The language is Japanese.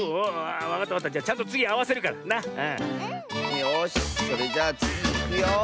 よしそれじゃあつぎいくよ。